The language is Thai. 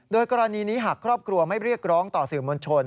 โดยกรณีนี้หากครอบครัวไม่เรียกร้องต่อสื่อมวลชน